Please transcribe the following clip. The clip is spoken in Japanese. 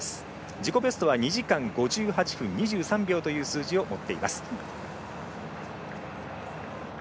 自己ベストは２時間５８分２３秒という数字を持っています。